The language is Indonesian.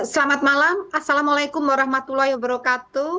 selamat malam assalamualaikum warahmatullahi wabarakatuh